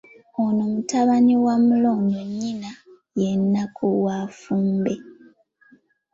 Ono mutabani wa Mulondo nnyina ye Nnakku, wa Ffumbe.